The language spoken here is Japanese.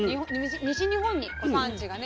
西日本に産地がね